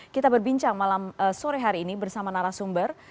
kita berbincang malam sore hari ini bersama narasumber